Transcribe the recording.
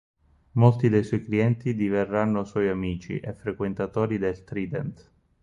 Molti dei suoi clienti diverranno suoi amici e frequentatori del "Trident".